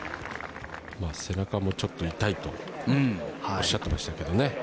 背中もちょっと痛いとおっしゃってましたけどね。